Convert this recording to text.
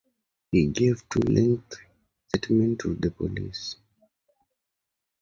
He gave two lengthy statements to the police.